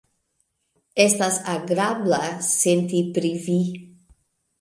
Estas agrabla senti pri Vi.